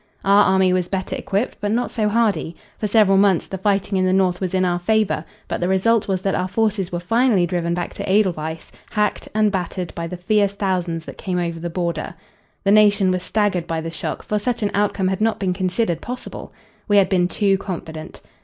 Our army was better equipped but not so hardy. For several months the fighting in the north was in our favor, but the result was that our forces were finally driven back to Edelweiss, hacked and battered by the fierce thousands that came over the border. The nation was staggered by the shock, for such an outcome had not been considered possible. We had been too confident.